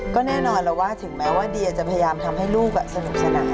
ก็แน่นอนแล้วว่าถึงแม้ว่าเดียจะพยายามทำให้ลูกสนุกสนาน